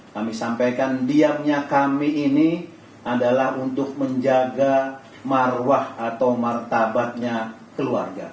kami sampaikan diamnya kami ini adalah untuk menjaga marwah atau martabatnya keluarga